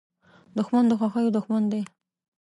دښمن د خوښیو دوښمن دی